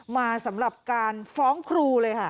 สำหรับการฟ้องครูเลยค่ะ